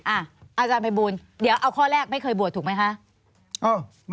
อาจารย์ภัยบูลเดี๋ยวเอาข้อแรกไม่เคยบวชถูกไหมคะ